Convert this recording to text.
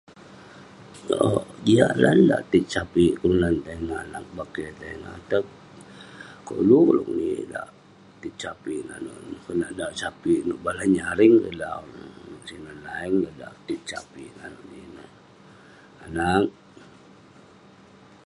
Owk, jiak lan tit sapik kelunan itam ineh anag, bakeh itam ineh. Ateg koluk ulouk ninik dauk tit sapik nanouk neh, konak dauk sapik nouk Balan Nyaring dauk. [unintelligible]